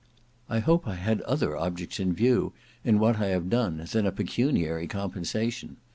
I hope I had other objects in view in what I have done than a pecuniary compensation.